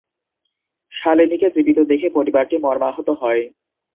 শালিনিকে জীবিত দেখে পরিবারটি মর্মাহত হয়।